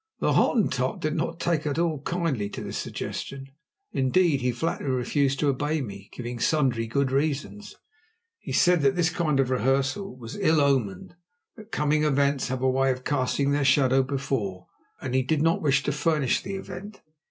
The Hottentot did not take at all kindly to this suggestion. Indeed, he flatly refused to obey me, giving sundry good reasons. He said that this kind of rehearsal was ill omened; that coming events have a way of casting their shadow before, and he did not wish to furnish the event.